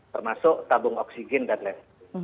termasuk tabung oksigen dan lain